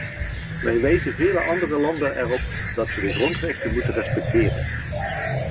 Wij wijzen vele andere landen erop dat ze de grondrechten moeten respecteren.